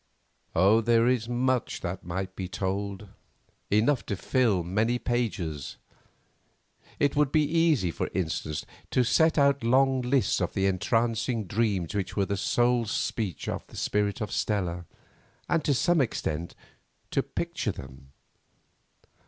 There is much that might be told—enough to fill many pages. It would be easy, for instance, to set out long lists of the entrancing dreams which were the soul speech of the spirit of Stella, and to some extent, to picture them.